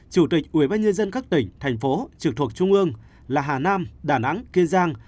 chủ tịch ủy ban nhân dân các tỉnh thành phố trực thuộc trung ương là hà nam đà nẵng kiên giang